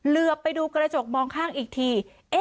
เหลือไปดูกระจกมองข้างอีกที